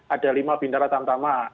ada lima bintang atam tama